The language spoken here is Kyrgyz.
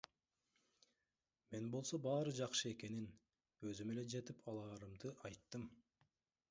Мен болсо баары жакшы экенин, өзүм эле жетип алаарымды айттым.